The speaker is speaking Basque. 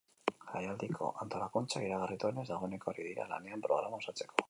Jaialdiko antolakuntzak iragarri duenez, dagoeneko ari dira lanean programa osatzeko.